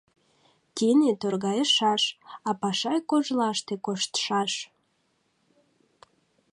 Тине торгайышаш, а Пашай кожлаште коштшаш.